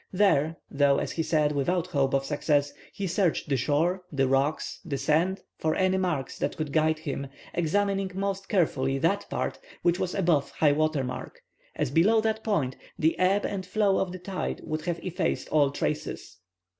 There, though, as he said, without hope of success, he searched the shore, the rocks, the sand for any marks that could guide him, examining most carefully that part which was above high water mark, as below that point the ebb and flow of the tide would have effaced all traces.